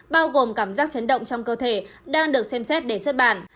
bao gồm cảm giác chấn động trong cơ thể đang được xem xét để xuất bản